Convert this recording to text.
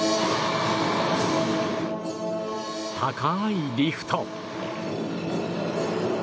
高いリフト。